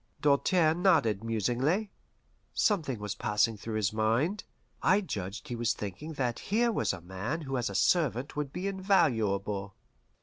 Doltaire nodded musingly. Something was passing through his mind. I judged he was thinking that here was a man who as a servant would be invaluable.